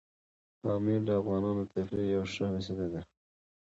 پامیر د افغانانو د تفریح یوه ښه وسیله ده.